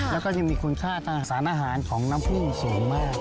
แล้วก็ยังมีคุณค่าทางสารอาหารของน้ำพุ่งสูงมาก